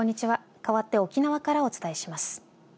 かわって沖縄からお伝えします。